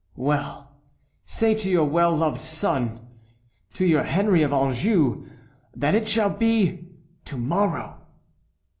"Well, say to your well loved son, to your Henry of Anjou, that it shall be to morrow."